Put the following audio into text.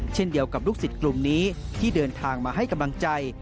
เช่นเดียวกับลูกศิษย์กลุ่มนี้ที่เดินทางมาให้กำลังใจ